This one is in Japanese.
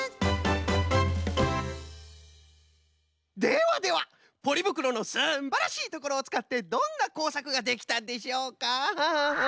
ではではポリぶくろのすんばらしいところをつかってどんなこうさくができたんでしょうか？